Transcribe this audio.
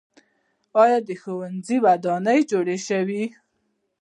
آیا د ښوونځیو ودانۍ جوړې شوي؟